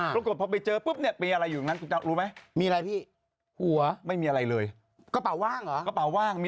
กรุ่งกดพอไปเจอปุ๊บมีอะไรอยู่ที่งาน